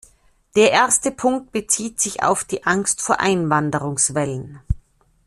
Der erste Punkt bezieht sich auf die Angst vor Einwanderungswellen.